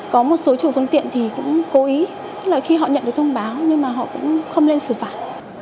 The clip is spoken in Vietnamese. có một số chủ phương tiện thì cũng cố ý tức là khi họ nhận được thông báo nhưng mà họ cũng không nên xử phạt